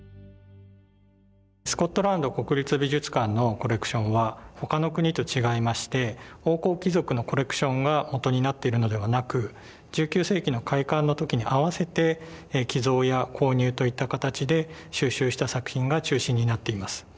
スコットランド国立美術館のコレクションは他の国と違いまして王侯貴族のコレクションがもとになっているのではなく１９世紀の開館の時に合わせて寄贈や購入といった形で収集した作品が中心になっています。